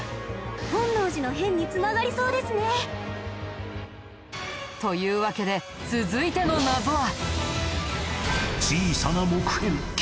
本能寺の変に繋がりそうですね。というわけで続いての謎は。